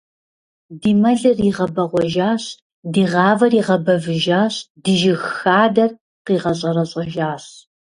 Ди мэлыр игъэбэгъуэжащ, ди гъавэр игъэбэвыжащ, ди жыг хадэр къигъэщӀэрэщӀэжащ!